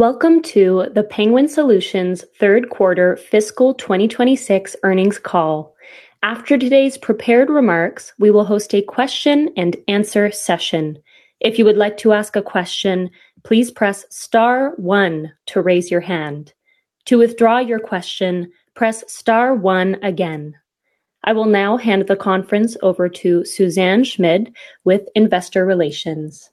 Welcome to the Penguin Solutions third quarter fiscal 2026 earnings call. After today's prepared remarks, we will host a question and answer session. If you would like to ask a question, please press star one to raise your hand. To withdraw your question, press star one again. I will now hand the conference over to Suzanne Schmidt with Investor Relations.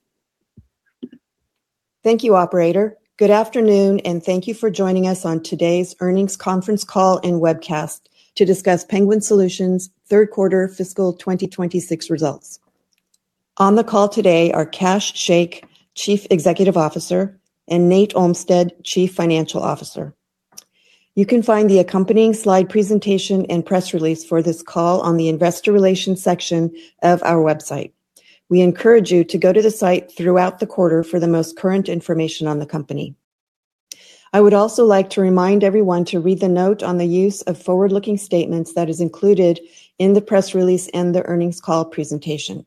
Thank you, operator. Good afternoon, and thank you for joining us on today's earnings conference call and webcast to discuss Penguin Solutions' third quarter fiscal 2026 results. On the call today are Kash Shaikh, Chief Executive Officer, and Nate Olmstead, Chief Financial Officer. You can find the accompanying slide presentation and press release for this call on the investor relations section of our website. We encourage you to go to the site throughout the quarter for the most current information on the company. I would also like to remind everyone to read the note on the use of forward-looking statements that is included in the press release and the earnings call presentation.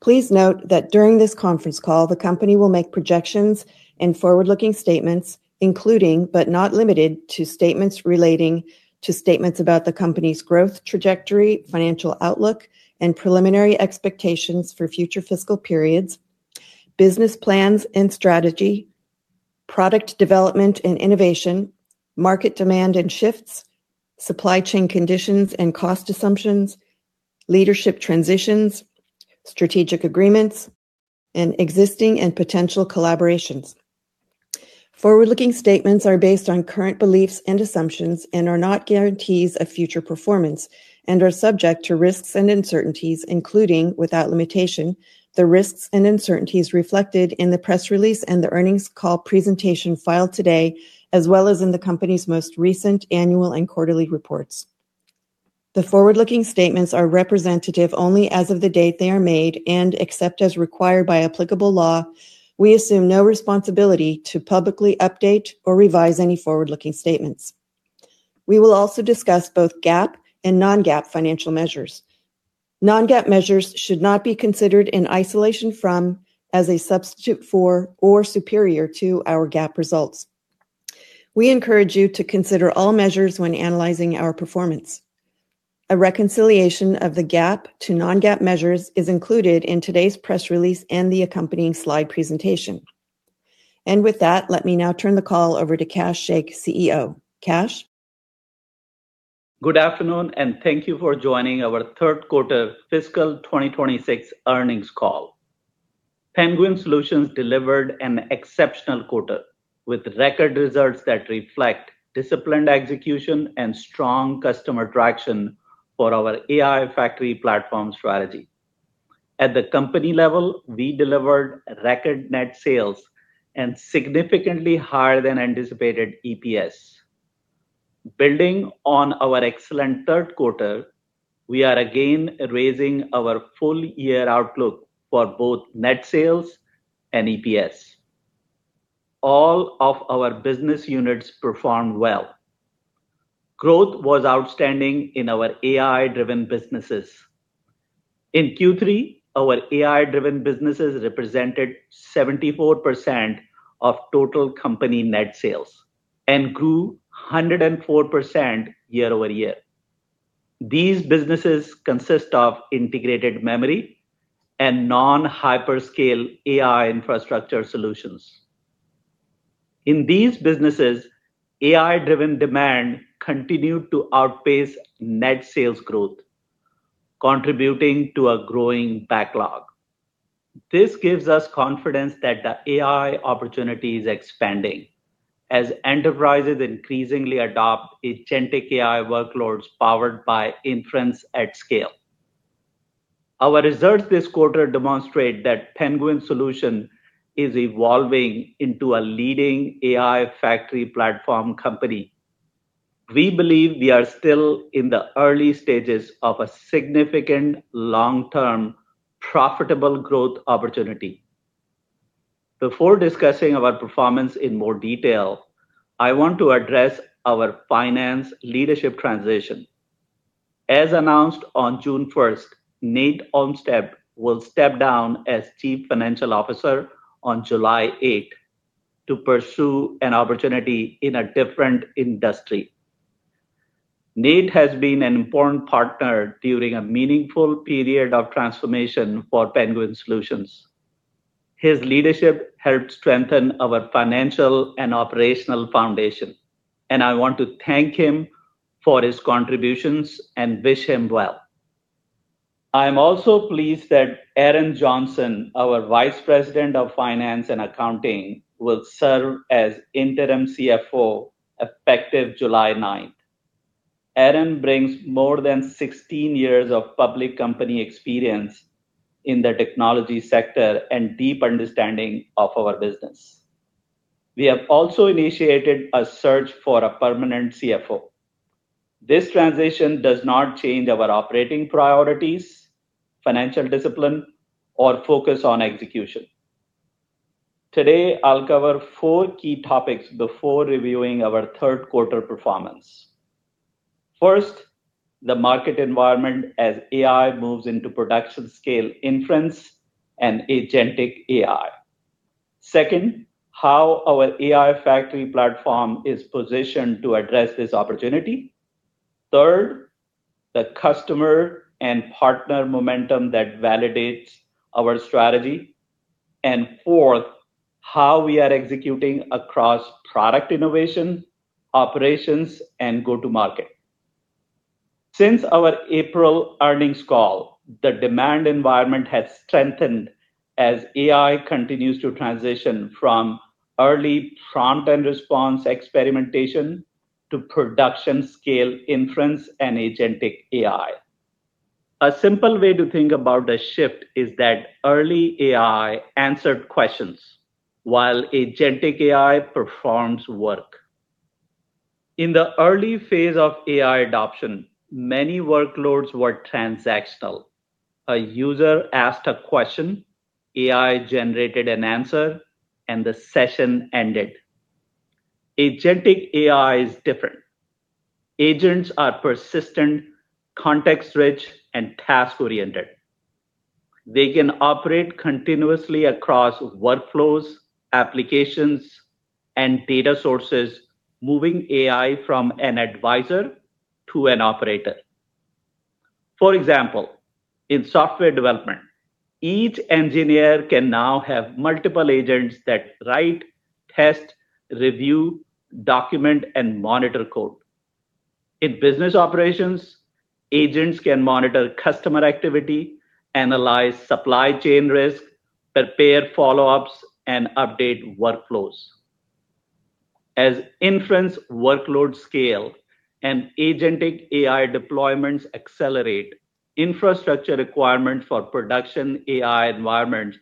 Please note that during this conference call, the company will make projections and forward-looking statements, including but not limited to statements relating to statements about the company's growth trajectory, financial outlook, and preliminary expectations for future fiscal periods, business plans and strategy, product development and innovation, market demand and shifts, supply chain conditions and cost assumptions, leadership transitions, strategic agreements, and existing and potential collaborations. Forward-looking statements are based on current beliefs and assumptions and are not guarantees of future performance and are subject to risks and uncertainties, including, without limitation, the risks and uncertainties reflected in the press release and the earnings call presentation filed today, as well as in the company's most recent annual and quarterly reports. The forward-looking statements are representative only as of the date they are made and except as required by applicable law, we assume no responsibility to publicly update or revise any forward-looking statements. We will also discuss both GAAP and non-GAAP financial measures. Non-GAAP measures should not be considered in isolation from, as a substitute for, or superior to our GAAP results. We encourage you to consider all measures when analyzing our performance. A reconciliation of the GAAP to non-GAAP measures is included in today's press release and the accompanying slide presentation. With that, let me now turn the call over to Kash Shaikh, CEO. Kash? Good afternoon, thank you for joining our third quarter fiscal 2026 earnings call. Penguin Solutions delivered an exceptional quarter, with record results that reflect disciplined execution and strong customer traction for our AI factory platform strategy. At the company level, we delivered record net sales and significantly higher than anticipated EPS. Building on our excellent third quarter, we are again raising our full-year outlook for both net sales and EPS. All of our business units performed well. Growth was outstanding in our AI-driven businesses. In Q3, our AI-driven businesses represented 74% of total company net sales and grew 104% year-over-year. These businesses consist of Integrated Memory and non-hyperscale AI infrastructure solutions. In these businesses, AI-driven demand continued to outpace net sales growth, contributing to a growing backlog. This gives us confidence that the AI opportunity is expanding as enterprises increasingly adopt agentic AI workloads powered by inference at scale. Our results this quarter demonstrate that Penguin Solutions is evolving into a leading AI factory platform company. We believe we are still in the early stages of a significant long-term profitable growth opportunity. Before discussing our performance in more detail, I want to address our finance leadership transition. As announced on June 1st, Nate Olmstead will step down as Chief Financial Officer on July 8th to pursue an opportunity in a different industry. Nate has been an important partner during a meaningful period of transformation for Penguin Solutions. His leadership helped strengthen our financial and operational foundation, and I want to thank him for his contributions and wish him well. I am also pleased that Aaron Johnson, our Vice President of Finance and Accounting, will serve as interim CFO effective July 9th. Aaron brings more than 16 years of public company experience in the technology sector and deep understanding of our business. We have also initiated a search for a permanent CFO. This transition does not change our operating priorities, financial discipline, or focus on execution. Today, I'll cover four key topics before reviewing our third quarter performance. First, the market environment as AI moves into production scale inference and agentic AI. Second, how our AI factory platform is positioned to address this opportunity. Third, the customer and partner momentum that validates our strategy. Fourth, how we are executing across product innovation, operations, and go-to-market. Since our April earnings call, the demand environment has strengthened as AI continues to transition from early prompt and response experimentation to production scale inference and agentic AI. A simple way to think about the shift is that early AI answered questions, while agentic AI performs work. In the early phase of AI adoption, many workloads were transactional. A user asked a question, AI generated an answer, and the session ended. Agentic AI is different. Agents are persistent, context-rich, and task-oriented. They can operate continuously across workflows, applications, and data sources, moving AI from an advisor to an operator. For example, in software development, each engineer can now have multiple agents that write, test, review, document, and monitor code. In business operations, agents can monitor customer activity, analyze supply chain risk, prepare follow-ups, and update workflows. As inference workloads scale and agentic AI deployments accelerate, infrastructure requirements for production AI environments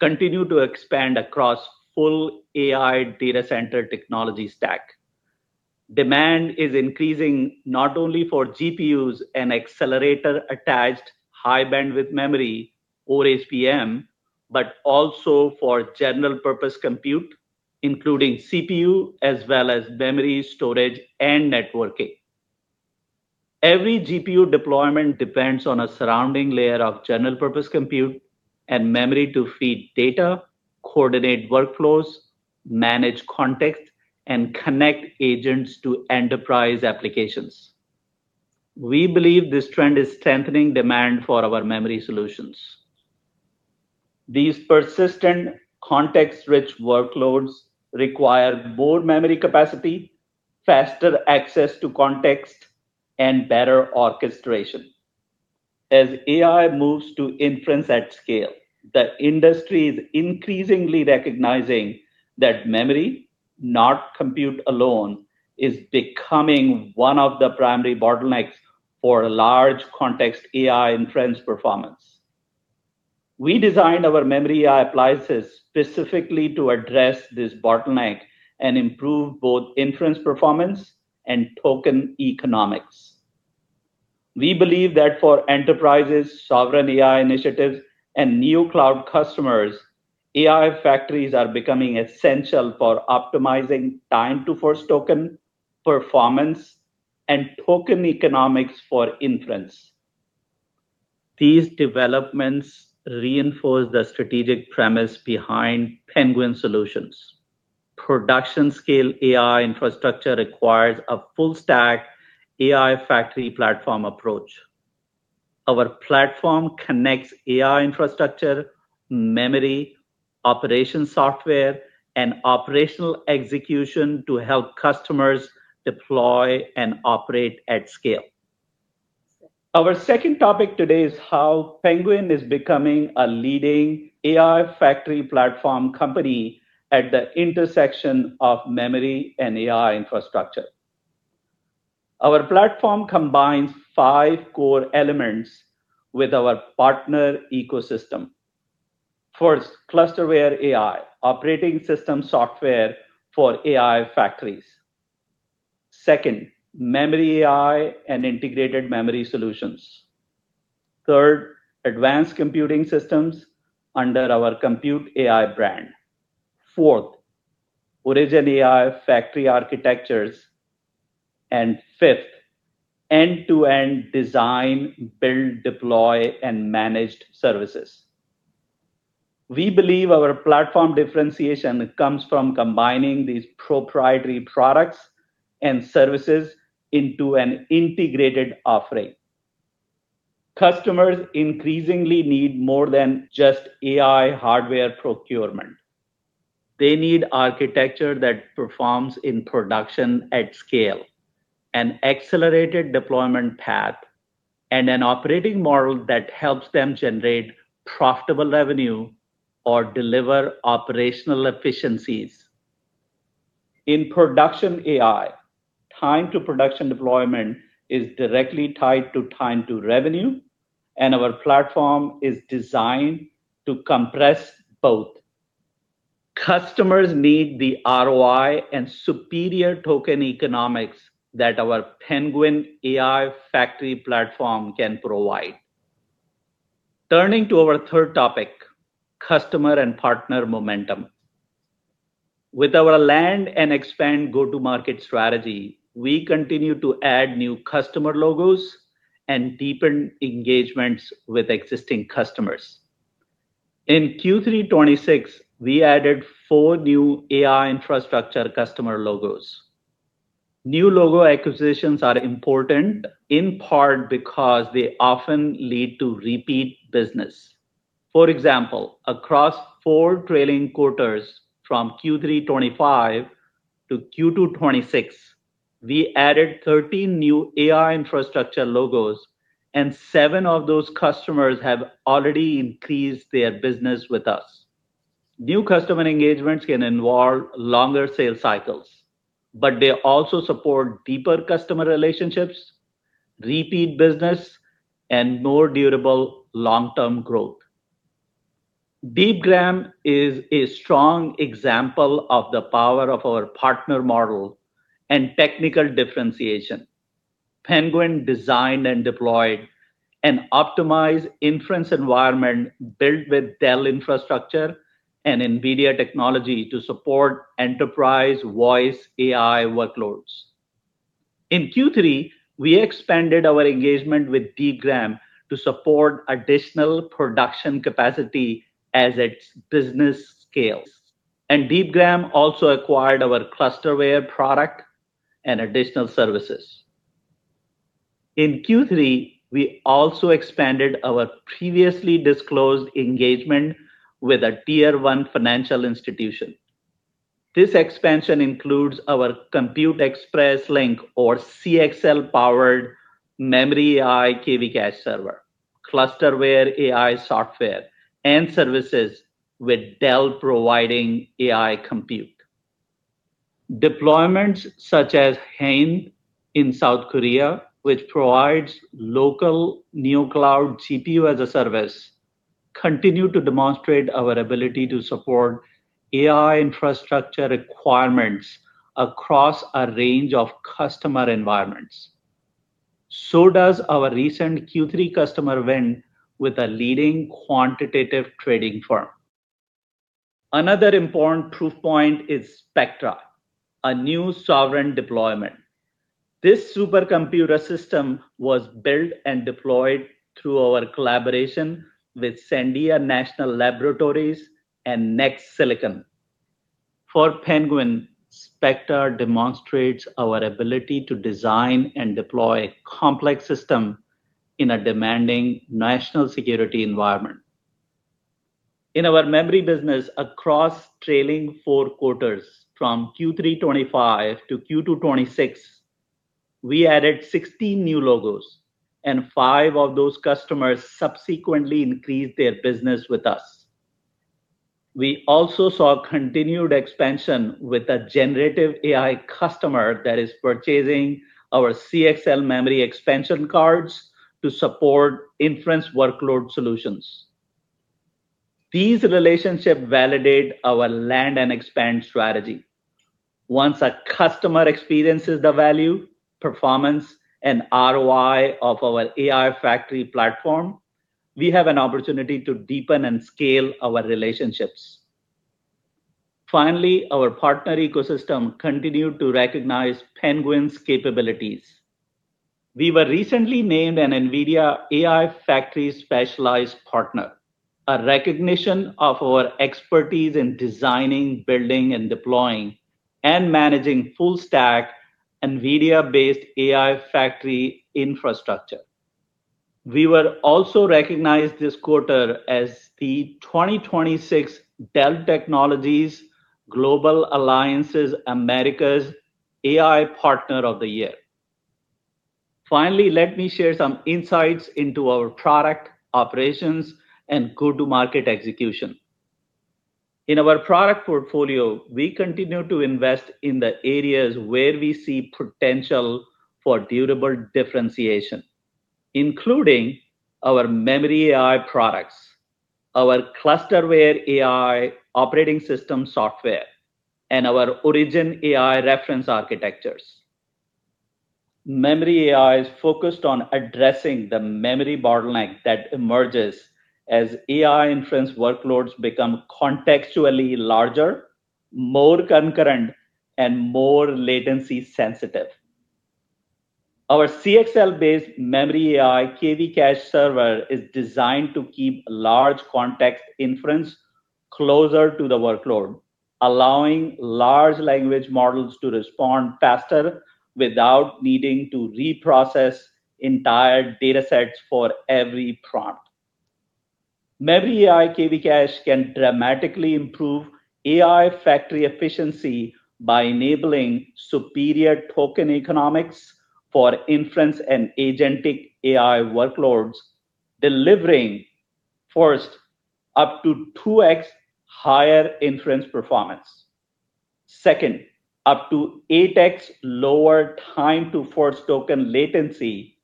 continue to expand across full AI data center technology stack. Demand is increasing not only for GPUs and accelerator-attached high bandwidth memory or HBM, but also for general purpose compute, including CPU as well as memory storage and networking. Every GPU deployment depends on a surrounding layer of general purpose compute and memory to feed data, coordinate workflows, manage context, and connect agents to enterprise applications. We believe this trend is strengthening demand for our memory solutions. These persistent context-rich workloads require more memory capacity, faster access to context, and better orchestration. As AI moves to inference at scale, the industry is increasingly recognizing that memory, not compute alone, is becoming one of the primary bottlenecks for large context AI inference performance. We designed our MemoryAI appliances specifically to address this bottleneck and improve both inference performance and token economics. We believe that for enterprises, sovereign AI initiatives, and new cloud customers, AI factories are becoming essential for optimizing time to first token performance and token economics for inference. These developments reinforce the strategic premise behind Penguin Solutions. Production scale AI infrastructure requires a full stack AI factory platform approach. Our platform connects AI infrastructure, memory, operation software, and operational execution to help customers deploy and operate at scale. Our second topic today is how Penguin is becoming a leading AI factory platform company at the intersection of memory and AI infrastructure. Our platform combines five core elements with our partner ecosystem. First, ClusterWareAI, operating system software for AI factories. Second, MemoryAI and integrated memory solutions. Third, advanced computing systems under our Compute AI brand. Fourth, OriginAI factory architectures. Fifth, end-to-end design, build, deploy, and managed services. We believe our platform differentiation comes from combining these proprietary products and services into an integrated offering. Customers increasingly need more than just AI hardware procurement. They need architecture that performs in production at scale, an accelerated deployment path, and an operating model that helps them generate profitable revenue or deliver operational efficiencies. In production AI, time to production deployment is directly tied to time to revenue, and our platform is designed to compress both. Customers need the ROI and superior token economics that our Penguin AI factory platform can provide. Turning to our third topic, customer and partner momentum. With our land and expand go-to-market strategy, we continue to add new customer logos and deepen engagements with existing customers. In Q3 2026, we added four new AI infrastructure customer logos. New logo acquisitions are important in part because they often lead to repeat business. For example, across four trailing quarters from Q3 2025 to Q2 2026, we added 13 new AI infrastructure logos, and seven of those customers have already increased their business with us. New customer engagements can involve longer sales cycles, but they also support deeper customer relationships, repeat business, and more durable long-term growth. Deepgram is a strong example of the power of our partner model and technical differentiation. Penguin designed and deployed an optimized inference environment built with Dell infrastructure and NVIDIA technology to support enterprise voice AI workloads. In Q3, we expanded our engagement with Deepgram to support additional production capacity as its business scales, and Deepgram also acquired our ClusterWareAI product and additional services. In Q3, we also expanded our previously disclosed engagement with a tier 1 financial institution. This expansion includes our Compute Express Link or CXL-powered MemoryAI KV cache server, ClusterWareAI software, and services with Dell providing AI compute. Deployments such as Haein in South Korea, which provides local Neocloud CPU-as-a-service, continue to demonstrate our ability to support AI infrastructure requirements across a range of customer environments. Thus, our recent Q3 customer win with a leading quantitative trading firm. Another important proof point is Spectra, a new sovereign deployment. This supercomputer system was built and deployed through our collaboration with Sandia National Laboratories and NextSilicon. For Penguin, Spectra demonstrates our ability to design and deploy a complex system in a demanding national security environment. In our memory business across trailing four quarters from Q3 2025 to Q2 2026, we added 16 new logos, and five of those customers subsequently increased their business with us. We also saw continued expansion with a generative AI customer that is purchasing our CXL memory expansion cards to support inference workload solutions. These relationships validate our land and expand strategy. Once a customer experiences the value, performance, and ROI of our AI factory platform, we have an opportunity to deepen and scale our relationships. Our partner ecosystem continued to recognize Penguin's capabilities. We were recently named an NVIDIA AI Factory Specialized Partner, a recognition of our expertise in designing, building, deploying and managing full stack NVIDIA-based AI factory infrastructure. We were also recognized this quarter as the 2026 Dell Technologies Global Alliances Americas AI Partner of the Year. Let me share some insights into our product operations and go-to-market execution. In our product portfolio, we continue to invest in the areas where we see potential for durable differentiation, including our MemoryAI products, our ClusterWareAI operating system software, and our OriginAI reference architectures. MemoryAI is focused on addressing the memory bottleneck that emerges as AI inference workloads become contextually larger, more concurrent, and more latency sensitive. Our CXL-based MemoryAI KV cache server is designed to keep large context inference closer to the workload, allowing large language models to respond faster without needing to reprocess entire datasets for every prompt. MemoryAI KV cache can dramatically improve AI factory efficiency by enabling superior token economics for inference and agentic AI workloads, delivering, first, up to 2x higher inference performance. Second, up to 8x lower time to first token latency.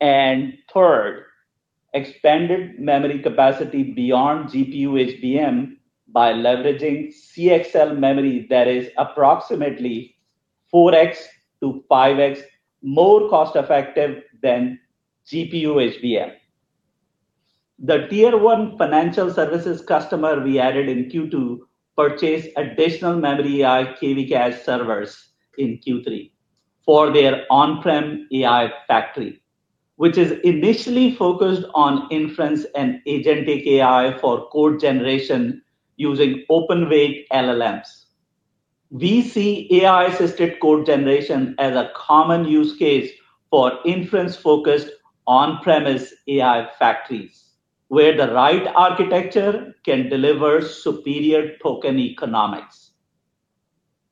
Third, expanded memory capacity beyond GPU HBM by leveraging CXL memory that is approximately 4x-5x more cost-effective than GPU HBM. The tier 1 financial services customer we added in Q2 purchased additional MemoryAI KV cache servers in Q3 for their on-prem AI factory, which is initially focused on inference and agentic AI for code generation using open weight LLMs. We see AI-assisted code generation as a common use case for inference-focused on-premise AI factories, where the right architecture can deliver superior token economics.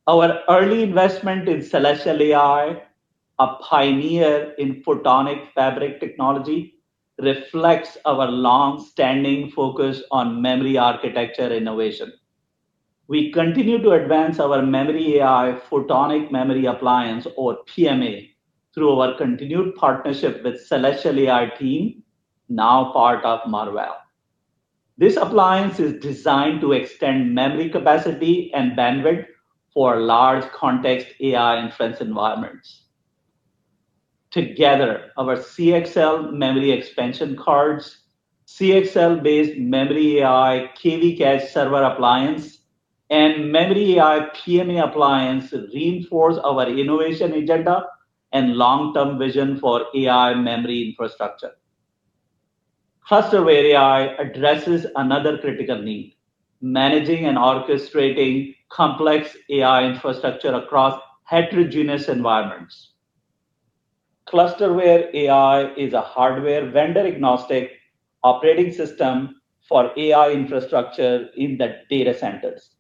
Our early investment in Celestial AI, a pioneer in Photonic Fabric technology, reflects our longstanding focus on memory architecture innovation. We continue to advance our MemoryAI Photonic Memory Appliance, or PMA, through our continued partnership with Celestial AI team, now part of Marvell. This appliance is designed to extend memory capacity and bandwidth for large context AI inference environments. Together, our CXL memory expansion cards, CXL-based MemoryAI KV cache server appliance, and MemoryAI PMA appliance reinforce our innovation agenda and long-term vision for AI memory infrastructure. ClusterWareAI addresses another critical need: managing and orchestrating complex AI infrastructure across heterogeneous environments. ClusterWareAI is a hardware vendor agnostic operating system for AI infrastructure in the data centers.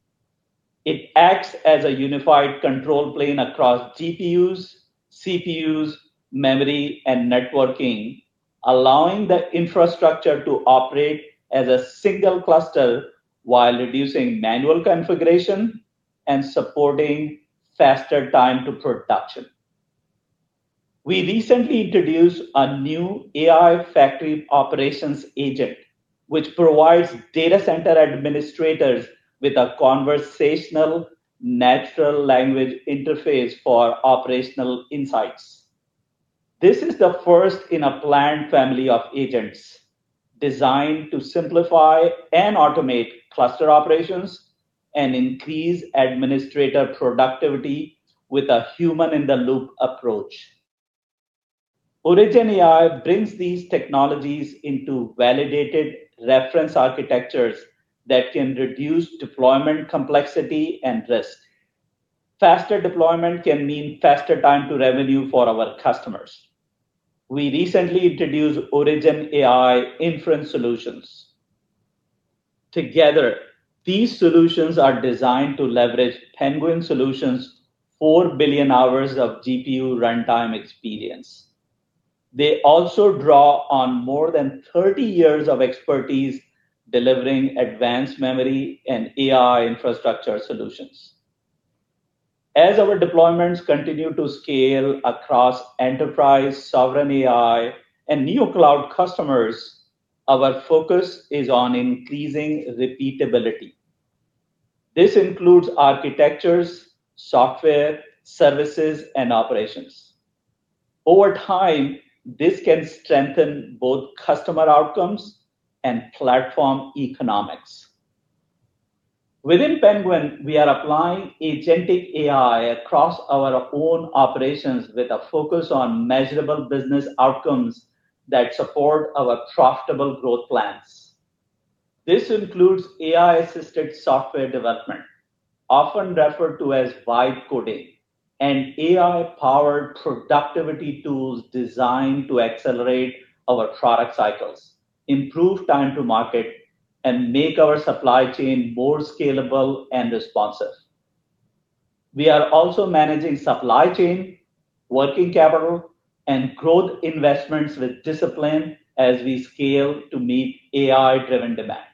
It acts as a unified control plane across GPUs, CPUs, memory, and networking, allowing the infrastructure to operate as a single cluster while reducing manual configuration and supporting faster time to production. We recently introduced a new AI factory operations agent, which provides data center administrators with a conversational natural language interface for operational insights. This is the first in a planned family of agents designed to simplify and automate cluster operations and increase administrator productivity with a human-in-the-loop approach. OriginAI brings these technologies into validated reference architectures that can reduce deployment complexity and risk. Faster deployment can mean faster time to revenue for our customers. We recently introduced OriginAI Inference Solutions. Together, these solutions are designed to leverage Penguin Solutions' four billion hours of GPU runtime experience. They also draw on more than 30 years of expertise delivering advanced memory and AI infrastructure solutions. As our deployments continue to scale across enterprise, sovereign AI, and Neocloud customers, our focus is on increasing repeatability. This includes architectures, software, services, and operations. Over time, this can strengthen both customer outcomes and platform economics. Within Penguin, we are applying agentic AI across our own operations with a focus on measurable business outcomes that support our profitable growth plans. This includes AI-assisted software development, often referred to as vibe coding, and AI-powered productivity tools designed to accelerate our product cycles, improve time to market, and make our supply chain more scalable and responsive. We are also managing supply chain, working capital, and growth investments with discipline as we scale to meet AI-driven demand.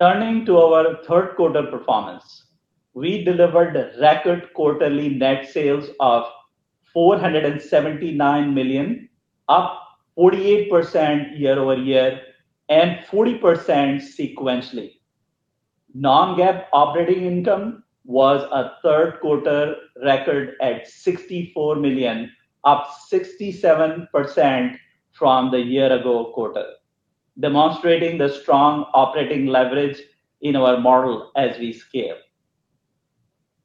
Turning to our third quarter performance, we delivered record quarterly net sales of $479 million, up 48% year-over-year and 40% sequentially. Non-GAAP operating income was a third quarter record at $64 million, up 67% from the year ago quarter, demonstrating the strong operating leverage in our model as we scale.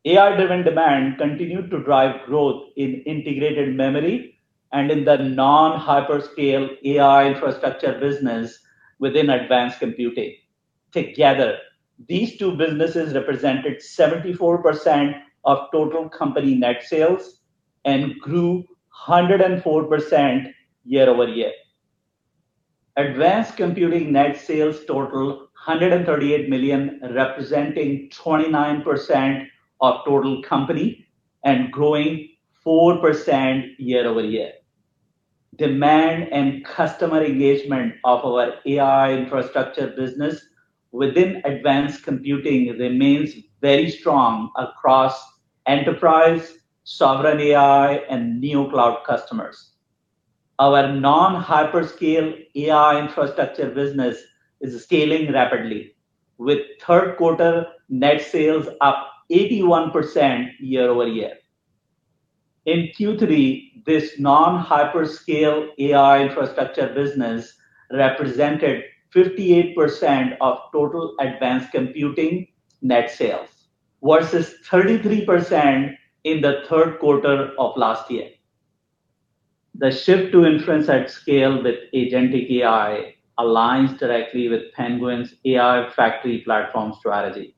AI-driven demand continued to drive growth in Integrated Memory and in the non-hyperscale AI infrastructure business within Advanced Computing. Together, these two businesses represented 74% of total company net sales and grew 104% year-over-year. Advanced Computing net sales total $138 million, representing 29% of total company and growing 4% year-over-year. Demand and customer engagement of our AI infrastructure business within Advanced Computing remains very strong across enterprise, sovereign AI, and Neocloud customers. Our non-hyperscale AI infrastructure business is scaling rapidly with third quarter net sales up 81% year-over-year. In Q3, this non-hyperscale AI infrastructure business represented 58% of total Advanced Computing net sales, versus 33% in the third quarter of last year. The shift to inference at scale with agentic AI aligns directly with Penguin's AI factory platform strategy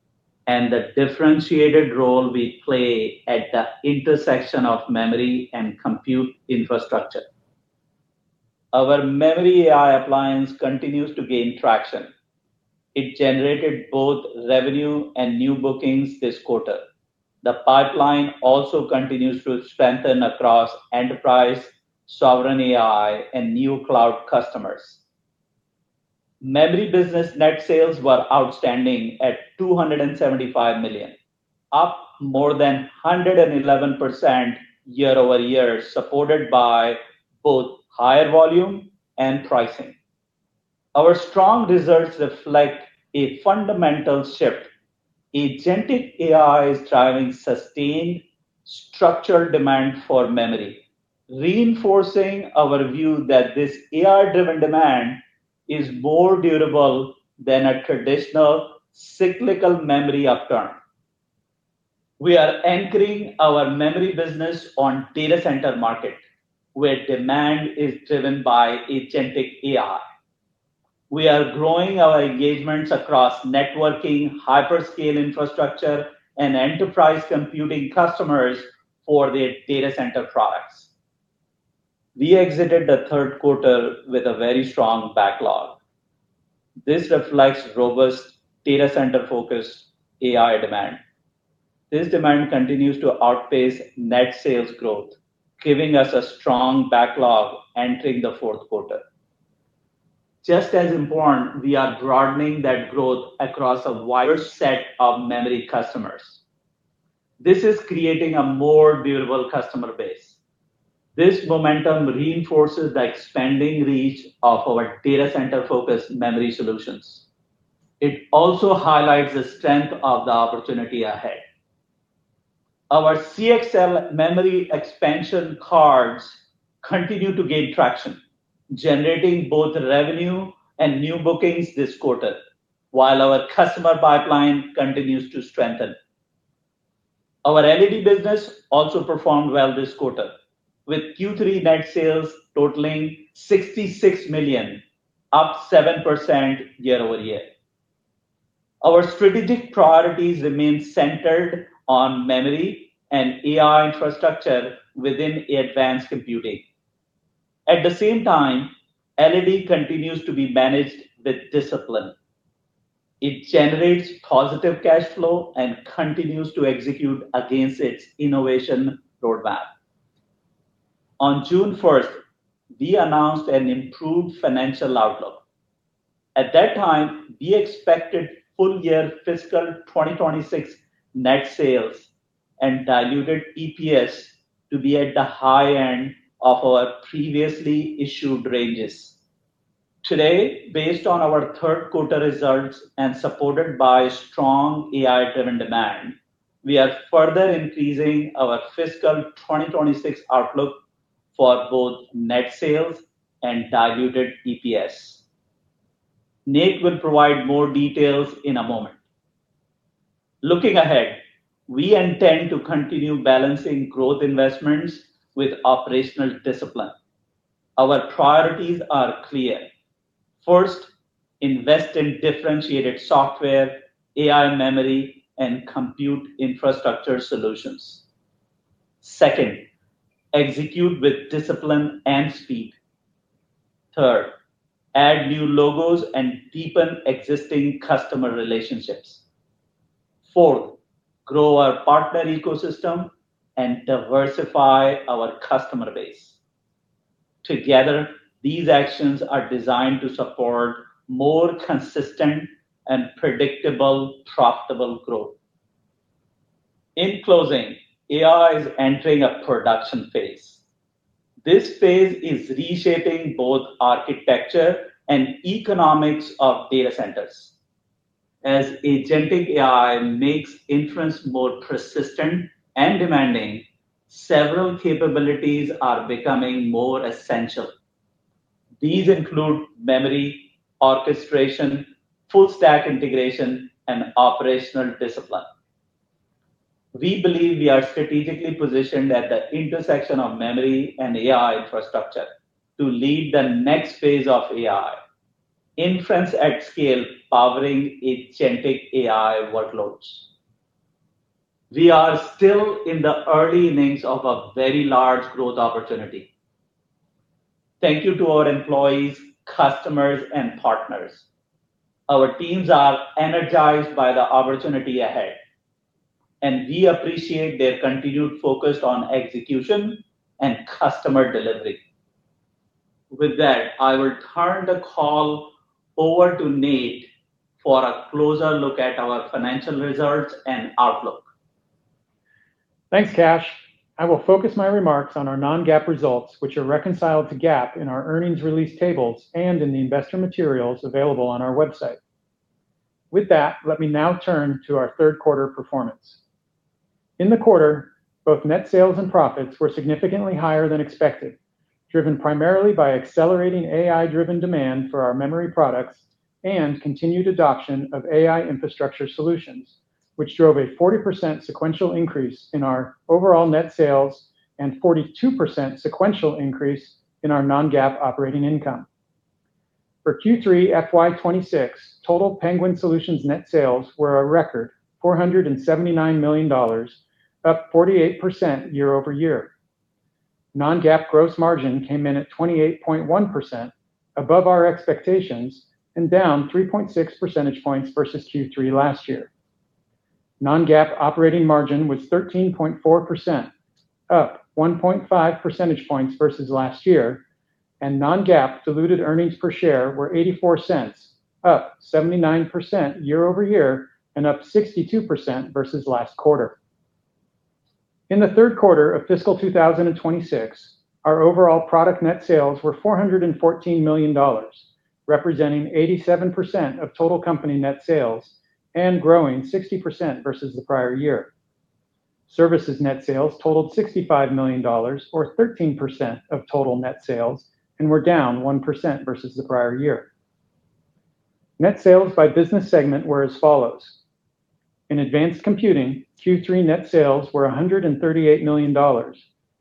and the differentiated role we play at the intersection of memory and compute infrastructure. Our MemoryAI appliance continues to gain traction. It generated both revenue and new bookings this quarter. The pipeline also continues to strengthen across enterprise, sovereign AI, and new cloud customers. Memory business net sales were outstanding at $275 million, up more than 111% year over year, supported by both higher volume and pricing. Our strong results reflect a fundamental shift. Agentic AI is driving sustained structural demand for memory, reinforcing our view that this AI-driven demand is more durable than a traditional cyclical memory upturn. We are anchoring our memory business on data center market, where demand is driven by agentic AI. We are growing our engagements across networking, hyperscale infrastructure, and enterprise computing customers for their data center products. We exited the third quarter with a very strong backlog. This reflects robust data center-focused AI demand. This demand continues to outpace net sales growth, giving us a strong backlog entering the fourth quarter. Just as important, we are broadening that growth across a wider set of memory customers. This is creating a more durable customer base. This momentum reinforces the expanding reach of our data center-focused memory solutions. It also highlights the strength of the opportunity ahead. Our CXL memory expansion cards continue to gain traction, generating both revenue and new bookings this quarter while our customer pipeline continues to strengthen. Our LED business also performed well this quarter, with Q3 net sales totaling $66 million, up 7% year over year. Our strategic priorities remain centered on memory and AI infrastructure within Advanced Computing. At the same time, LED continues to be managed with discipline. It generates positive cash flow and continues to execute against its innovation roadmap. On June 1st, we announced an improved financial outlook. At that time, we expected full year fiscal 2026 net sales and diluted EPS to be at the high end of our previously issued ranges. Today, based on our third quarter results and supported by strong AI-driven demand, we are further increasing our fiscal 2026 outlook for both net sales and diluted EPS. Nate will provide more details in a moment. Looking ahead, we intend to continue balancing growth investments with operational discipline. Our priorities are clear. First, invest in differentiated software, AI memory, and compute infrastructure solutions. Second, execute with discipline and speed. Third, add new logos and deepen existing customer relationships. Fourth, grow our partner ecosystem and diversify our customer base. Together, these actions are designed to support more consistent and predictable profitable growth. In closing, AI is entering a production phase. This phase is reshaping both architecture and economics of data centers. As agentic AI makes inference more persistent and demanding, several capabilities are becoming more essential. These include memory, orchestration, full stack integration, and operational discipline. We believe we are strategically positioned at the intersection of memory and AI infrastructure to lead the next phase of AI, inference at scale powering agentic AI workloads. We are still in the early innings of a very large growth opportunity. Thank you to our employees, customers, and partners. Our teams are energized by the opportunity ahead, and we appreciate their continued focus on execution and customer delivery. With that, I will turn the call over to Nate for a closer look at our financial results and outlook Thanks, Kash. I will focus my remarks on our non-GAAP results, which are reconciled to GAAP in our earnings release tables and in the investor materials available on our website. With that, let me now turn to our third quarter performance. In the quarter, both net sales and profits were significantly higher than expected, driven primarily by accelerating AI-driven demand for our memory products and continued adoption of AI infrastructure solutions, which drove a 40% sequential increase in our overall net sales and 42% sequential increase in our non-GAAP operating income. For Q3 FY 2026, total Penguin Solutions net sales were a record $479 million, up 48% year-over-year. Non-GAAP gross margin came in at 28.1%, above our expectations and down 3.6 percentage points versus Q3 last year. Non-GAAP operating margin was 13.4%, up 1.5 percentage points versus last year, non-GAAP diluted earnings per share were $0.84, up 79% year-over-year and up 62% versus last quarter. In the third quarter of fiscal 2026, our overall product net sales were $414 million, representing 87% of total company net sales and growing 60% versus the prior year. Services net sales totaled $65 million or 13% of total net sales and were down 1% versus the prior year. Net sales by business segment were as follows. In Advanced Computing, Q3 net sales were $138 million,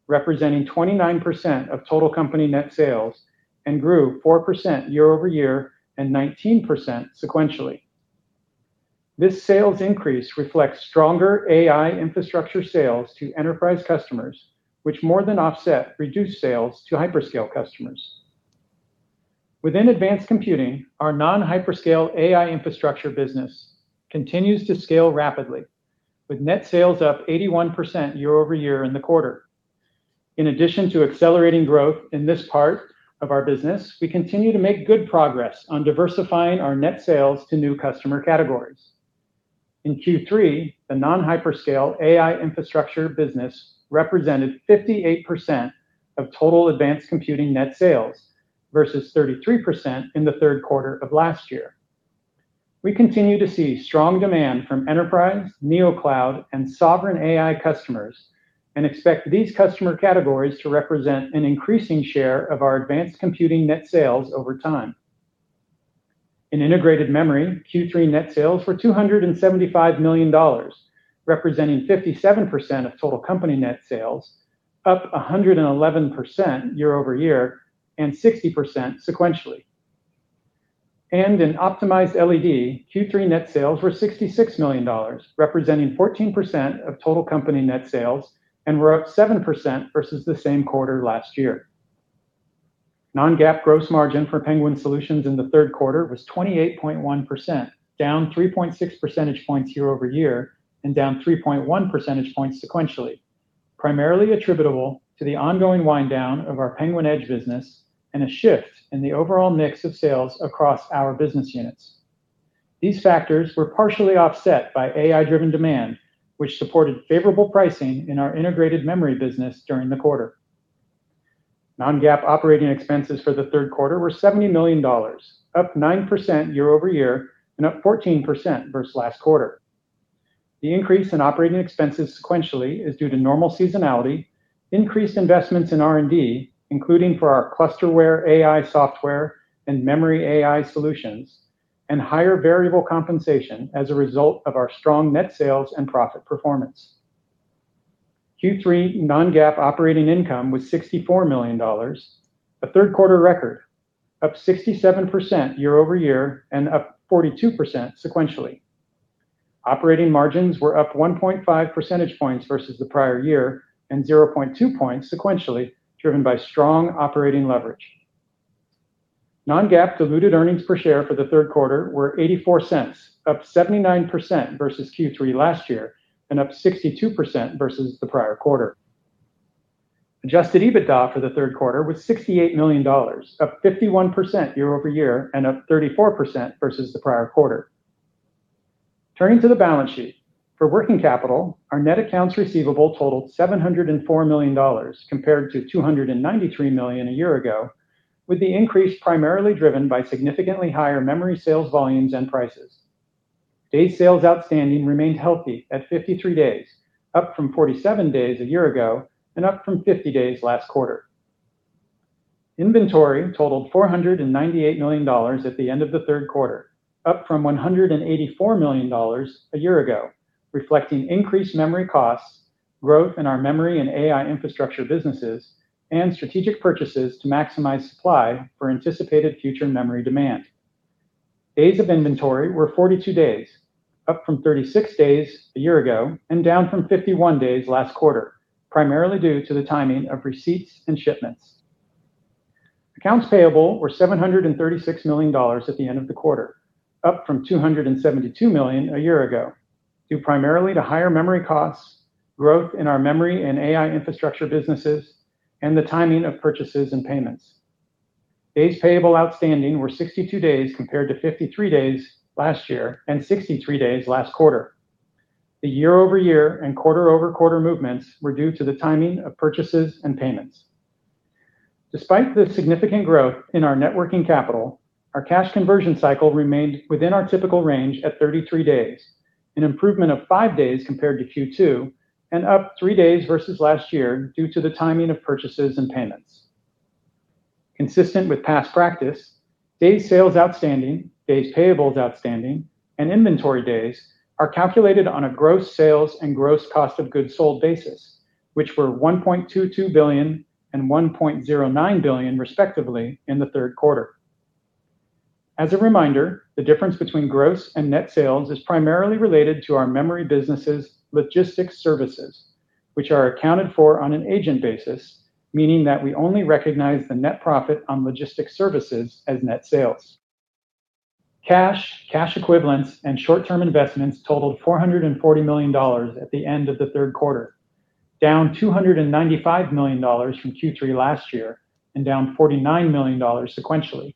representing 29% of total company net sales and grew 4% year-over-year and 19% sequentially. This sales increase reflects stronger AI infrastructure sales to enterprise customers, which more than offset reduced sales to hyperscale customers. Within Advanced Computing, our non-hyperscale AI infrastructure business continues to scale rapidly, with net sales up 81% year-over-year in the quarter. In addition to accelerating growth in this part of our business, we continue to make good progress on diversifying our net sales to new customer categories. In Q3, the non-hyperscale AI infrastructure business represented 58% of total Advanced Computing net sales versus 33% in the third quarter of last year. We continue to see strong demand from enterprise, NeoCloud, and sovereign AI customers and expect these customer categories to represent an increasing share of our Advanced Computing net sales over time. In Integrated Memory, Q3 net sales were $275 million, representing 57% of total company net sales, up 111% year-over-year and 60% sequentially. In Optimized LED, Q3 net sales were $66 million, representing 14% of total company net sales and were up 7% versus the same quarter last year. Non-GAAP gross margin for Penguin Solutions in the third quarter was 28.1%, down 3.6 percentage points year-over-year and down 3.1 percentage points sequentially, primarily attributable to the ongoing wind down of our Penguin Edge business and a shift in the overall mix of sales across our business units. These factors were partially offset by AI-driven demand, which supported favorable pricing in our Integrated Memory business during the quarter. Non-GAAP operating expenses for the third quarter were $70 million, up 9% year-over-year and up 14% versus last quarter. The increase in operating expenses sequentially is due to normal seasonality, increased investments in R&D, including for our ClusterWareAI AI software and MemoryAI solutions, and higher variable compensation as a result of our strong net sales and profit performance. Q3 non-GAAP operating income was $64 million, a third quarter record, up 67% year-over-year and up 42% sequentially. Operating margins were up 1.5 percentage points versus the prior year and 0.2 points sequentially, driven by strong operating leverage. Non-GAAP diluted earnings per share for the third quarter were $0.84, up 79% versus Q3 last year and up 62% versus the prior quarter. Adjusted EBITDA for the third quarter was $68 million, up 51% year-over-year and up 34% versus the prior quarter. Turning to the balance sheet. For working capital, our net accounts receivable totaled $704 million compared to $293 million a year ago, with the increase primarily driven by significantly higher memory sales volumes and prices. Days sales outstanding remained healthy at 53 days, up from 47 days a year ago and up from 50 days last quarter. Inventory totaled $498 million at the end of the third quarter, up from $184 million a year ago, reflecting increased memory costs, growth in our memory and AI infrastructure businesses, and strategic purchases to maximize supply for anticipated future memory demand. Days of inventory were 42 days, up from 36 days a year ago and down from 51 days last quarter, primarily due to the timing of receipts and shipments. Accounts payable were $736 million at the end of the quarter, up from $272 million a year ago, due primarily to higher memory costs, growth in our memory and AI infrastructure businesses, and the timing of purchases and payments. Days payable outstanding were 62 days compared to 53 days last year and 63 days last quarter. The year-over-year and quarter-over-quarter movements were due to the timing of purchases and payments. Despite the significant growth in our net working capital, our cash conversion cycle remained within our typical range at 33 days, an improvement of five days compared to Q2, and up three days versus last year due to the timing of purchases and payments. Consistent with past practice, days sales outstanding, days payables outstanding, and inventory days are calculated on a gross sales and gross cost of goods sold basis, which were $1.22 billion and $1.09 billion, respectively, in the third quarter. As a reminder, the difference between gross and net sales is primarily related to our memory business' logistics services, which are accounted for on an agent basis, meaning that we only recognize the net profit on logistics services as net sales. Cash, cash equivalents, and short-term investments totaled $440 million at the end of the third quarter, down $295 million from Q3 last year and down $49 million sequentially.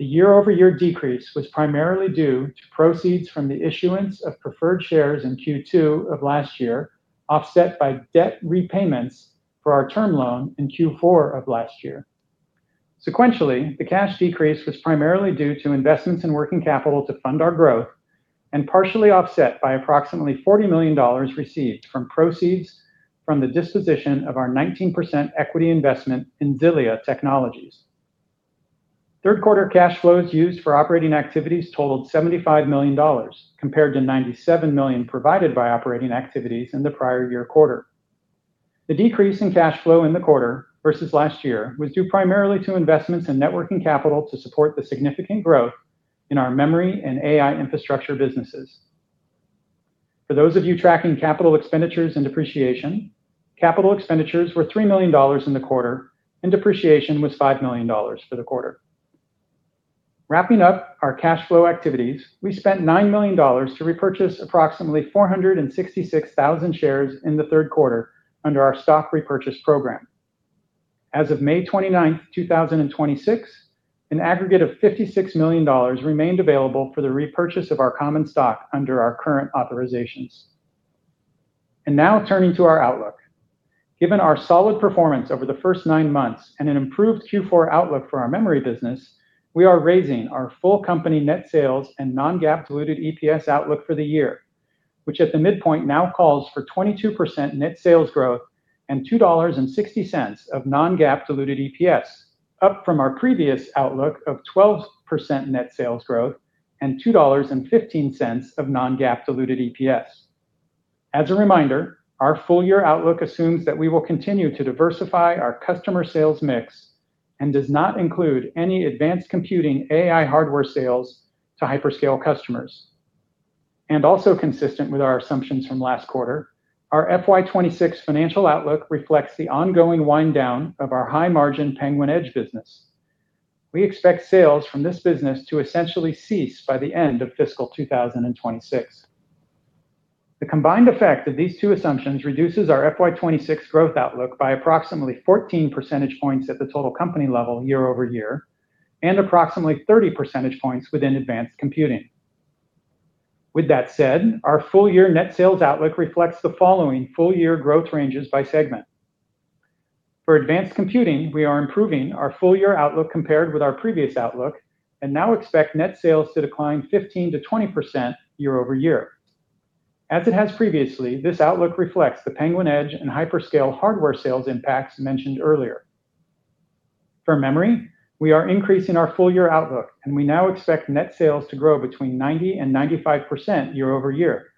The year-over-year decrease was primarily due to proceeds from the issuance of preferred shares in Q2 of last year, offset by debt repayments for our term loan in Q4 of last year. Sequentially, the cash decrease was primarily due to investments in working capital to fund our growth and partially offset by approximately $40 million received from proceeds from the disposition of our 19% equity investment in Zilia Technologies. Third quarter cash flows used for operating activities totaled $75 million, compared to $97 million provided by operating activities in the prior year quarter. The decrease in cash flow in the quarter versus last year was due primarily to investments in net working capital to support the significant growth in our memory and AI infrastructure businesses. For those of you tracking capital expenditures and depreciation, capital expenditures were $3 million in the quarter, and depreciation was $5 million for the quarter. Wrapping up our cash flow activities, we spent $9 million to repurchase approximately 466,000 shares in the third quarter under our stock repurchase program. As of May 29th, 2026, an aggregate of $56 million remained available for the repurchase of our common stock under our current authorizations. Now turning to our outlook. Given our solid performance over the first nine months and an improved Q4 outlook for our memory business, we are raising our full company net sales and non-GAAP diluted EPS outlook for the year, which at the midpoint now calls for 22% net sales growth and $2.60 of non-GAAP diluted EPS, up from our previous outlook of 12% net sales growth and $2.15 of non-GAAP diluted EPS. As a reminder, our full-year outlook assumes that we will continue to diversify our customer sales mix and does not include any Advanced Computing AI hardware sales to hyperscale customers. Also consistent with our assumptions from last quarter, our FY 2026 financial outlook reflects the ongoing wind down of our high-margin Penguin Edge business. We expect sales from this business to essentially cease by the end of fiscal 2026. The combined effect of these two assumptions reduces our FY 2026 growth outlook by approximately 14 percentage points at the total company level year-over-year, and approximately 30 percentage points within Advanced Computing. With that said, our full-year net sales outlook reflects the following full-year growth ranges by segment. For Advanced Computing, we are improving our full-year outlook compared with our previous outlook and now expect net sales to decline 15%-20% year-over-year. As it has previously, this outlook reflects the Penguin Edge and hyperscale hardware sales impacts mentioned earlier. For Memory, we are increasing our full-year outlook, and we now expect net sales to grow between 90% and 95% year-over-year,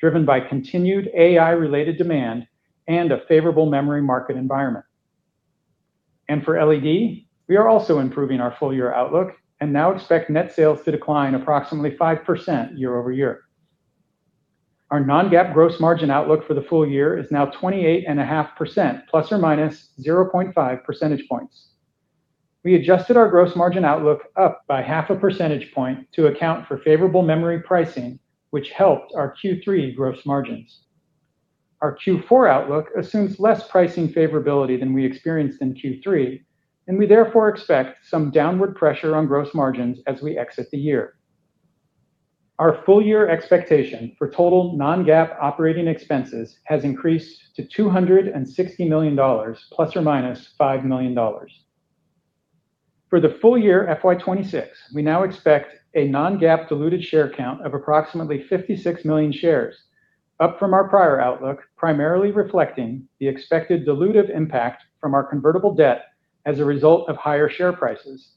driven by continued AI-related demand and a favorable memory market environment. For Optimized LED, we are also improving our full-year outlook and now expect net sales to decline approximately 5% year-over-year. Our non-GAAP gross margin outlook for the full year is now 28.5% ±0.5 percentage points. We adjusted our gross margin outlook up by half a percentage point to account for favorable memory pricing, which helped our Q3 gross margins. Our Q4 outlook assumes less pricing favorability than we experienced in Q3, and we therefore expect some downward pressure on gross margins as we exit the year. Our full-year expectation for total non-GAAP operating expenses has increased to $260 million ±$5 million. For the full year FY 2026, we now expect a non-GAAP diluted share count of approximately 56 million shares, up from our prior outlook, primarily reflecting the expected dilutive impact from our convertible debt as a result of higher share prices.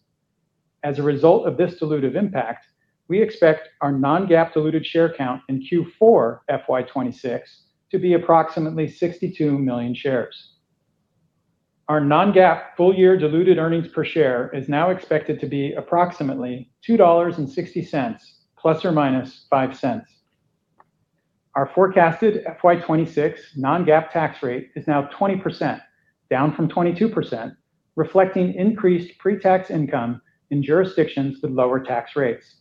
As a result of this dilutive impact, we expect our non-GAAP diluted share count in Q4 FY 2026 to be approximately 62 million shares. Our non-GAAP full-year diluted earnings per share is now expected to be approximately $2.60 ±$0.05. Our forecasted FY 2026 non-GAAP tax rate is now 20%, down from 22%, reflecting increased pre-tax income in jurisdictions with lower tax rates.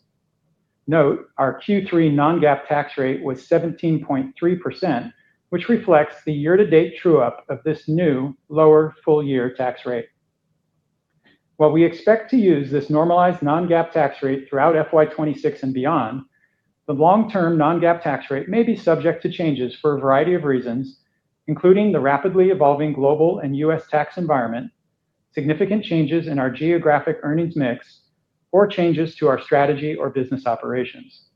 Note, our Q3 non-GAAP tax rate was 17.3%, which reflects the year-to-date true-up of this new lower full year tax rate. While we expect to use this normalized non-GAAP tax rate throughout FY 2026 and beyond, the long-term non-GAAP tax rate may be subject to changes for a variety of reasons, including the rapidly evolving global and U.S. tax environment, significant changes in our geographic earnings mix, or changes to our strategy or business operations.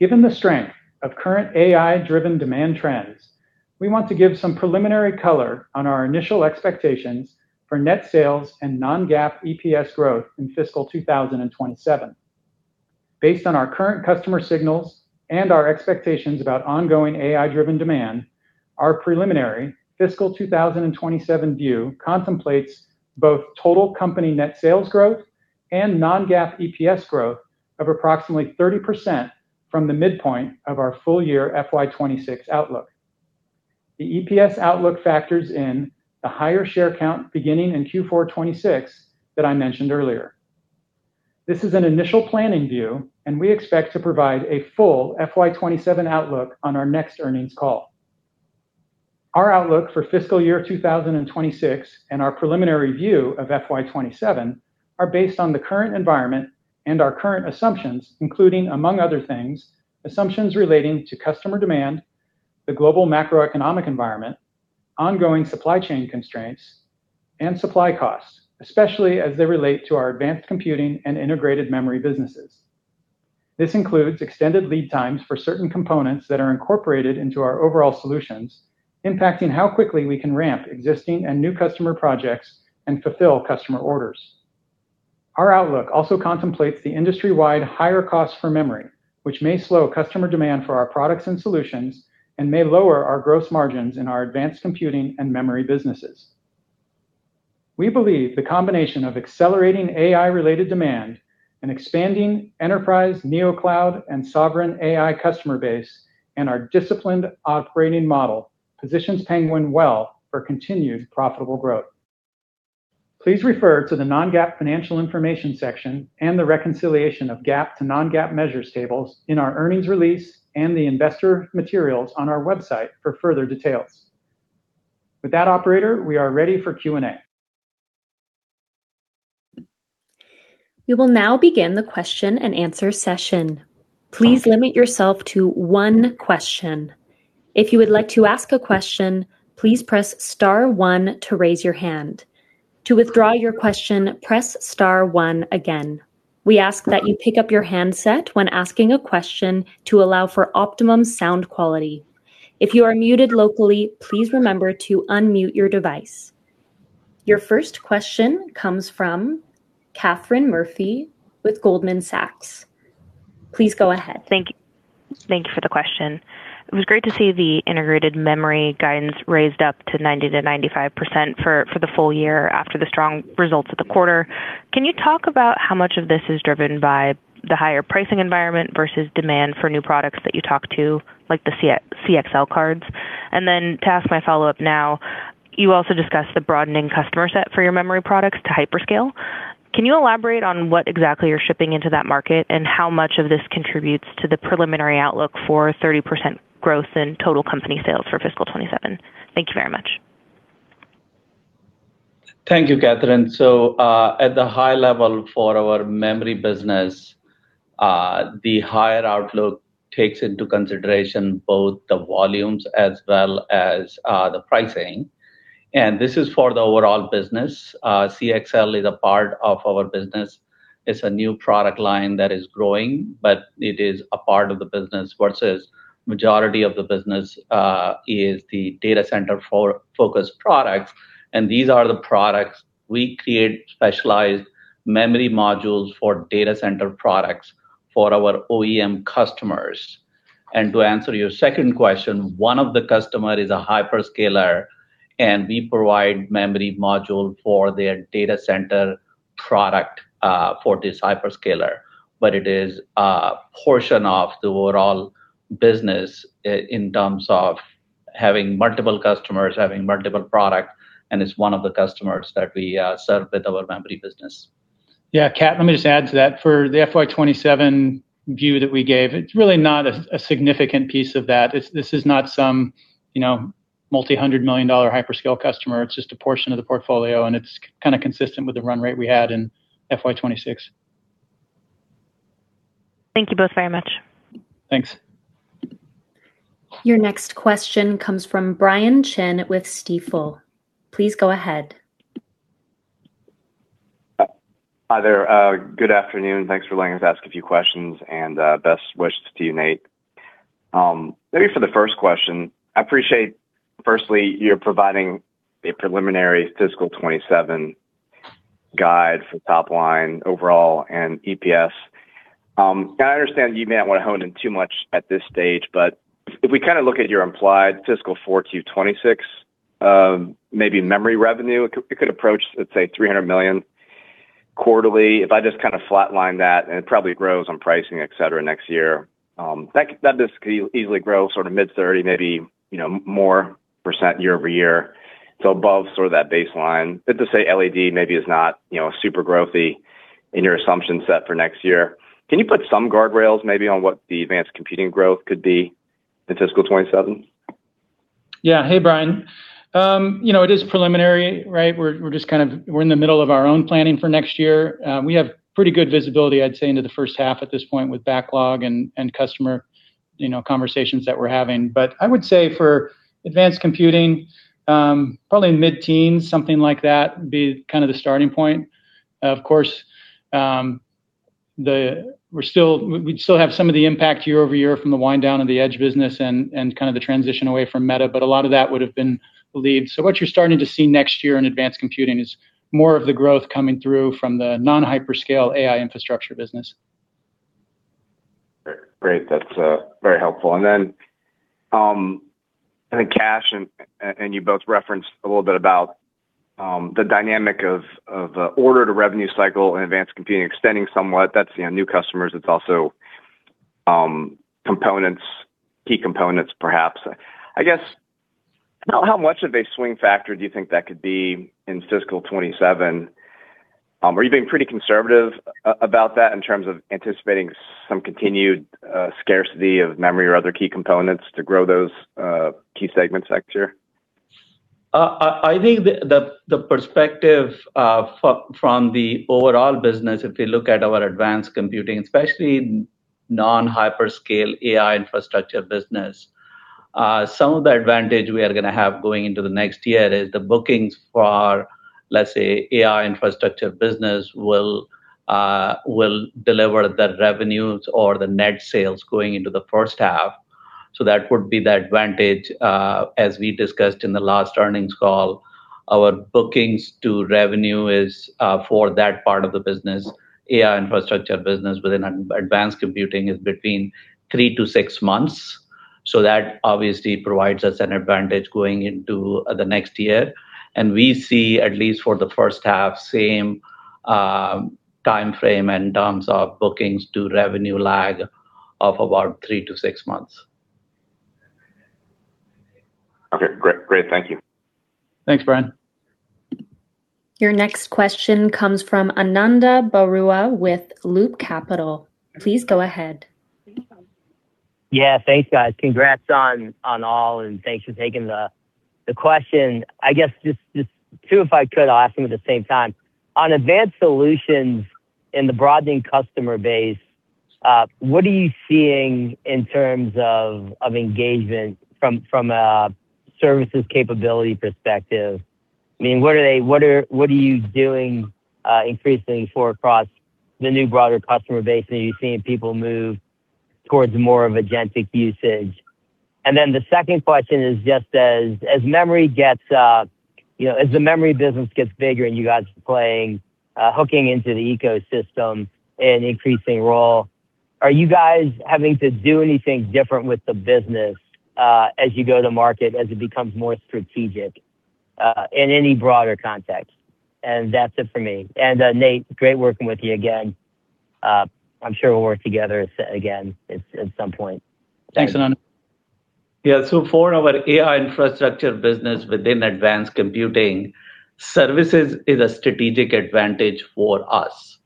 Given the strength of current AI-driven demand trends, we want to give some preliminary color on our initial expectations for net sales and non-GAAP EPS growth in fiscal 2027. Based on our current customer signals and our expectations about ongoing AI-driven demand, our preliminary fiscal 2027 view contemplates both total company net sales growth and non-GAAP EPS growth of approximately 30% from the midpoint of our full year FY 2026 outlook. The EPS outlook factors in the higher share count beginning in Q4 2026 that I mentioned earlier. This is an initial planning view. We expect to provide a full FY 2027 outlook on our next earnings call. Our outlook for fiscal year 2026 and our preliminary view of FY 2027 are based on the current environment and our current assumptions, including, among other things, assumptions relating to customer demand, the global macroeconomic environment, ongoing supply chain constraints, and supply costs, especially as they relate to our Advanced Computing and Integrated Memory businesses. This includes extended lead times for certain components that are incorporated into our overall solutions, impacting how quickly we can ramp existing and new customer projects and fulfill customer orders. Our outlook also contemplates the industry-wide higher cost for memory, which may slow customer demand for our products and solutions and may lower our gross margins in our Advanced Computing and memory businesses. We believe the combination of accelerating AI-related demand and expanding enterprise, NeoCloud, and sovereign AI customer base and our disciplined operating model positions Penguin well for continued profitable growth. Please refer to the non-GAAP financial information section and the reconciliation of GAAP to non-GAAP measures tables in our earnings release and the investor materials on our website for further details. With that, operator, we are ready for Q&A. We will now begin the question and answer session. Please limit yourself to one question. If you would like to ask a question, please press star one to raise your hand. To withdraw your question, press star one again. We ask that you pick up your handset when asking a question to allow for optimum sound quality. If you are muted locally, please remember to unmute your device. Your first question comes from Katherine Murphy with Goldman Sachs. Please go ahead. Thank you for the question. It was great to see the Integrated Memory guidance raised up to 90%-95% for the full year after the strong results of the quarter. Can you talk about how much of this is driven by the higher pricing environment versus demand for new products that you talk to, like the CXL cards? To ask my follow-up now, you also discussed the broadening customer set for your memory products to hyperscale. Can you elaborate on what exactly you're shipping into that market and how much of this contributes to the preliminary outlook for 30% growth in total company sales for fiscal 2027? Thank you very much. Thank you, Katherine. At the high level for our memory business, the higher outlook takes into consideration both the volumes as well as the pricing. This is for the overall business. CXL is a part of our business. It's a new product line that is growing, but it is a part of the business versus majority of the business is the data center-focused products, and these are the products we create specialized memory modules for data center products for our OEM customers. To answer your second question, one of the customer is a hyperscaler, and we provide memory module for their data center product for this hyperscaler. It is a portion of the overall business in terms of having multiple customers, having multiple product, and it's one of the customers that we serve with our memory business. Yeah. Kat, let me just add to that. For the FY 2027 view that we gave, it's really not a significant piece of that. This is not some multi-hundred million dollar hyperscale customer. It's just a portion of the portfolio, and it's kind of consistent with the run rate we had in FY 2026. Thank you both very much. Thanks. Your next question comes from Brian Chin with Stifel. Please go ahead. Hi there. Good afternoon. Thanks for letting us ask a few questions, and best wishes to you, Nate. Maybe for the first question, I appreciate firstly, you are providing a preliminary fiscal 2027 guide for top line overall and EPS. I understand you may not want to hone in too much at this stage, but if we look at your implied fiscal 4Q 2026, maybe memory revenue could approach, let's say, $300 million quarterly. If I just flat line that and it probably grows on pricing, et cetera, next year, that could easily grow mid-30%, maybe more percent year-over-year. Above sort of that baseline. To say LED maybe is not super growthy in your assumption set for next year. Can you put some guardrails maybe on what the Advanced Computing growth could be in fiscal 2027? Yeah. Hey, Brian. It is preliminary, right? We're in the middle of our own planning for next year. We have pretty good visibility, I'd say, into the first half at this point with backlog and customer conversations that we're having. I would say for Advanced Computing, probably mid-teens, something like that, would be kind of the starting point. Of course, we'd still have some of the impact year-over-year from the wind down of the Edge business and kind of the transition away from Meta, but a lot of that would've been relieved. What you're starting to see next year in Advanced Computing is more of the growth coming through from the non-hyperscale AI infrastructure business. Great. That's very helpful. I think Kash and you both referenced a little bit about the dynamic of the order to revenue cycle and Advanced Computing extending somewhat. That's new customers. It's also key components perhaps. I guess, how much of a swing factor do you think that could be in fiscal 2027? Are you being pretty conservative about that in terms of anticipating some continued scarcity of memory or other key components to grow those key segments next year? I think the perspective from the overall business, if we look at our Advanced Computing, especially non-hyperscale AI infrastructure business, some of the advantage we are going to have going into the next year is the bookings for, let's say, AI infrastructure business will deliver the revenues or the net sales going into the first half. That would be the advantage. As we discussed in the last earnings call, our bookings to revenue is, for that part of the business, AI infrastructure business within Advanced Computing, is between three to six months. That obviously provides us an advantage going into the next year. We see at least for the first half, same timeframe in terms of bookings to revenue lag of about three to six months. Okay, great. Thank you. Thanks, Brian. Your next question comes from Ananda Baruah with Loop Capital. Please go ahead. Yeah, thanks, guys. Congrats on all, and thanks for taking the question. I guess just two, if I could, I'll ask them at the same time. On advanced solutions in the broadening customer base, what are you seeing in terms of engagement from a services capability perspective? What are you doing increasingly for across the new broader customer base? Are you seeing people move towards more of agentic usage? The second question is just as the memory business gets bigger and you guys are hooking into the ecosystem in increasing role, are you guys having to do anything different with the business as you go to market, as it becomes more strategic in any broader context? That's it for me. Nate, great working with you again. I'm sure we'll work together again at some point. Thanks, Ananda. For our AI infrastructure business within Advanced Computing, services is a strategic advantage for us.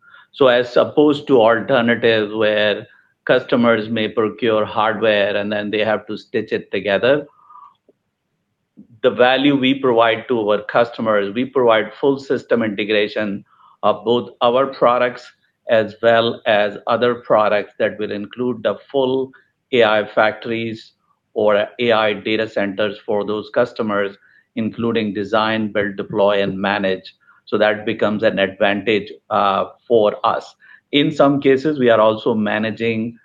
As opposed to alternatives where customers may procure hardware and then they have to stitch it together, the value we provide to our customers, we provide full system integration of both our products as well as other products that will include the full AI factories or AI data centers for those customers, including design, build, deploy, and manage. That becomes an advantage for us. In some cases, we are also managing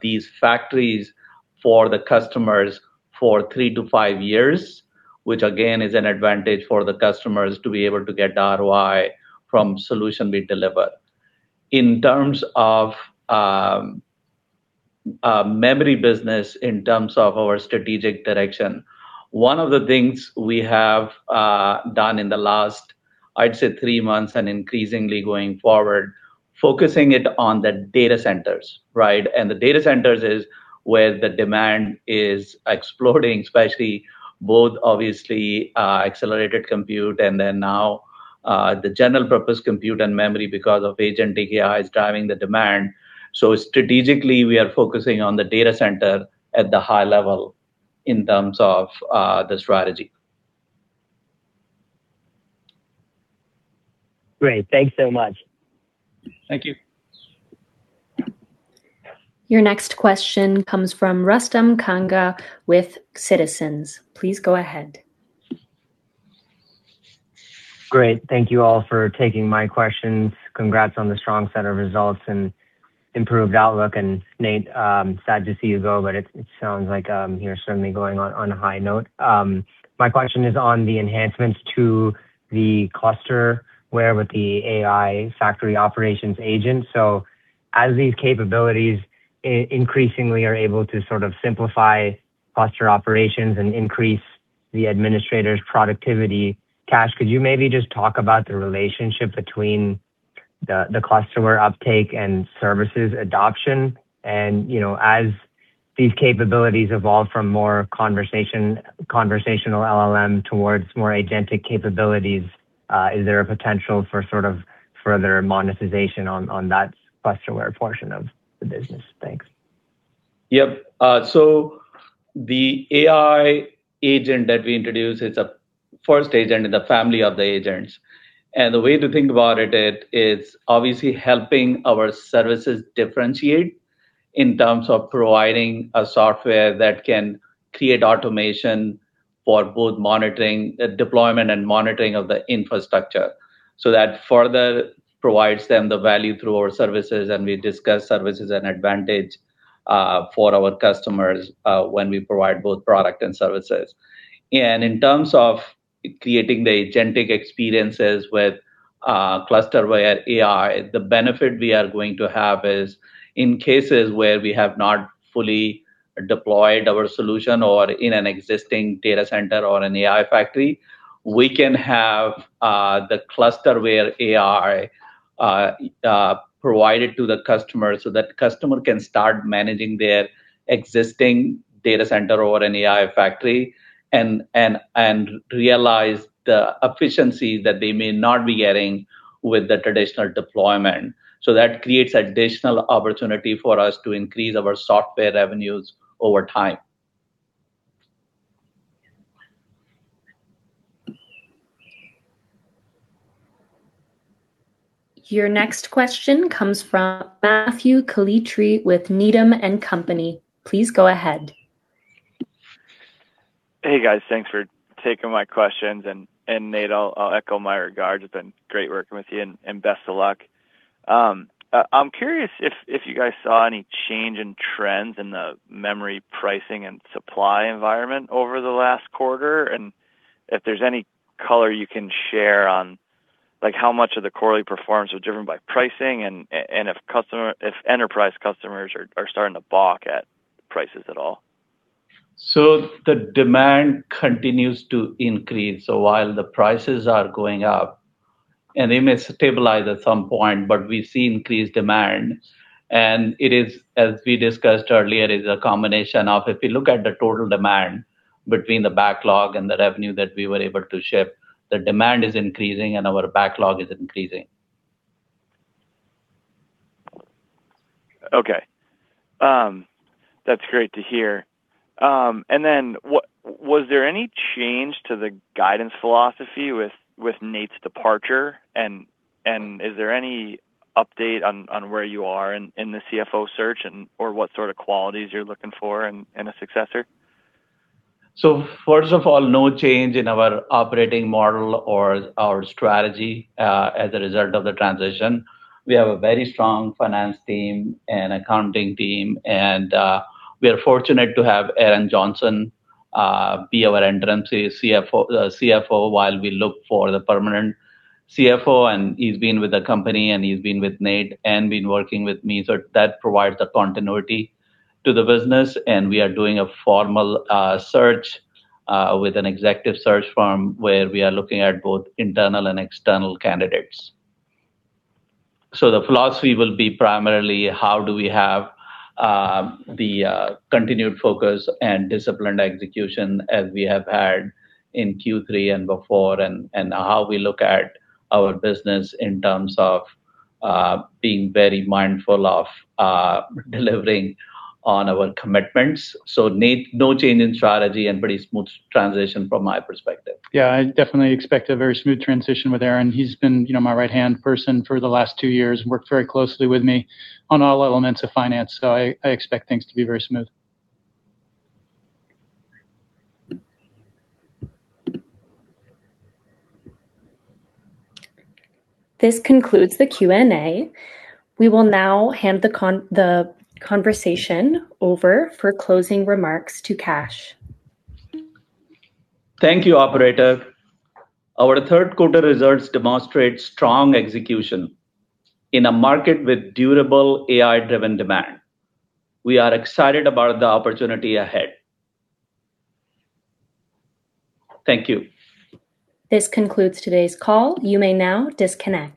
these factories for the customers for three to five years, which again is an advantage for the customers to be able to get the ROI from solution we deliver. In terms of Integrated Memory business, in terms of our strategic direction, one of the things we have done in the last, I'd say three months and increasingly going forward, focusing it on the data centers, right? The data centers is where the demand is exploding, especially both obviously accelerated compute and then now the general purpose compute and memory because of agent API is driving the demand. Strategically, we are focusing on the data center at the high level in terms of the strategy. Great. Thanks so much. Thank you. Your next question comes from Rustam Kanga with Citizens. Please go ahead. Great. Thank you all for taking my questions. Congrats on the strong set of results and improved outlook. Nate, sad to see you go, but it sounds like you're certainly going out on a high note. My question is on the enhancements to the ClusterWareAI with the AI factory operations agent. As these capabilities increasingly are able to sort of simplify cluster operations and increase the administrator's productivity, Kash, could you maybe just talk about the relationship between the ClusterWareAI uptake and services adoption, and as these capabilities evolve from more conversational LLM towards more agentic capabilities, is there a potential for sort of further monetization on that ClusterWareAI portion of the business? Thanks. Yep. The AI agent that we introduced, it's a first agent in the family of the agents. The way to think about it's obviously helping our services differentiate in terms of providing a software that can create automation for both deployment and monitoring of the infrastructure. That further provides them the value through our services, and we discuss services and advantage for our customers when we provide both product and services. In terms of creating the agentic experiences with ClusterWareAI AI, the benefit we are going to have is, in cases where we have not fully deployed our solution or in an existing data center or an AI factory, we can have the ClusterWareAI AI provided to the customer so that customer can start managing their existing data center or an AI factory, and realize the efficiency that they may not be getting with the traditional deployment. That creates additional opportunity for us to increase our software revenues over time. Your next question comes from Matthew Calitri with Needham & Company. Please go ahead. Hey, guys. Thanks for taking my questions. Nate, I'll echo my regards. It's been great working with you, and best of luck. I'm curious if you guys saw any change in trends in the memory pricing and supply environment over the last quarter, and if there's any color you can share on how much of the quarterly performance was driven by pricing, and if enterprise customers are starting to balk at prices at all. The demand continues to increase. While the prices are going up, and they may stabilize at some point, but we see increased demand. It is, as we discussed earlier, is a combination of if we look at the total demand between the backlog and the revenue that we were able to ship, the demand is increasing and our backlog is increasing. Okay. That's great to hear. Was there any change to the guidance philosophy with Nate's departure? Is there any update on where you are in the CFO search or what sort of qualities you're looking for in a successor? First of all, no change in our operating model or our strategy as a result of the transition. We have a very strong finance team and accounting team, and we are fortunate to have Aaron Johnson be our interim CFO while we look for the permanent CFO, and he's been with the company and he's been with Nate and been working with me. That provides the continuity to the business, and we are doing a formal search with an executive search firm where we are looking at both internal and external candidates. The philosophy will be primarily how do we have the continued focus and disciplined execution as we have had in Q3 and before, and how we look at our business in terms of being very mindful of delivering on our commitments. Nate, no change in strategy and pretty smooth transition from my perspective. Yeah, I definitely expect a very smooth transition with Aaron. He's been my right-hand person for the last two years and worked very closely with me on all elements of finance. I expect things to be very smooth. This concludes the Q&A. We will now hand the conversation over for closing remarks to Kash. Thank you, operator. Our third quarter results demonstrate strong execution in a market with durable AI-driven demand. We are excited about the opportunity ahead. Thank you. This concludes today's call. You may now disconnect.